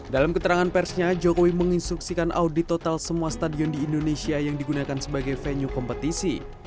dalam keterangan persnya jokowi menginstruksikan audit total semua stadion di indonesia yang digunakan sebagai venue kompetisi